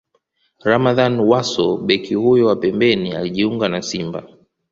Ramadhani Wasso Beki huyo wa pembeni alijiunga na Simba